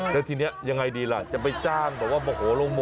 แต่ทีนี้ยังไงดีล่ะจะไปจ้างบอกว่ามะโหลีมา